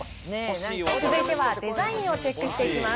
続いてはデザインをチェックしていきます。